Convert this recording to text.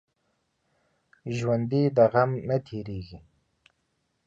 ژوندي د غم نه تېریږي